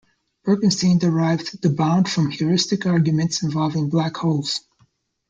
Bekenstein derived the bound from heuristic arguments involving black holes.